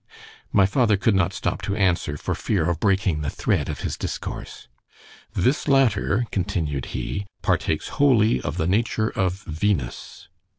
My father could not stop to answer, for fear of breaking the thread of his discourse—— This latter, continued he, partakes wholly of the nature of _Venus.